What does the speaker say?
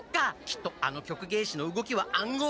きっとあの曲芸師の動きは暗号！